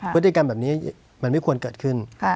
พฤติกรรมแบบนี้มันไม่ควรเกิดขึ้น